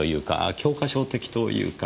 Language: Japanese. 教科書的というか。